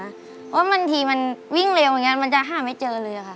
เพราะบางทีมันวิ่งเร็วอย่างนี้มันจะหาไม่เจอเลยค่ะ